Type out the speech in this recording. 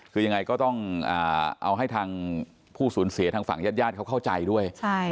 คือยังไงก็ต้องเอาให้ทางผู้สูญเสียทางฝั่งญาติญาติเขาเข้าใจด้วย